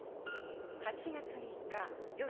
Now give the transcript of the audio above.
８月３日夜９時。